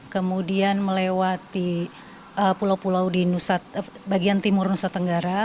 kemudian melewati pulau pulau di bagian timur nusa tenggara